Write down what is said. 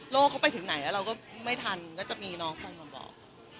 เขาไปถึงไหนแล้วเราก็ไม่ทันก็จะมีน้องคอยมาบอก